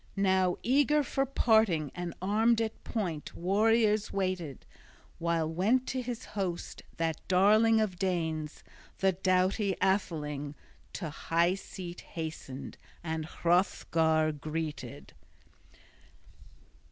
Now eager for parting and armed at point warriors waited, while went to his host that Darling of Danes. The doughty atheling to high seat hastened and Hrothgar greeted.